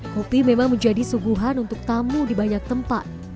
kopi memang menjadi suguhan untuk tamu di banyak tempat